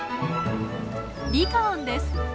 リカオンです。